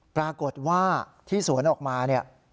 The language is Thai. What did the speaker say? ปรากฏว่าที่สวนออกมาเนี่ย